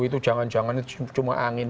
itu jangan jangan cuma angin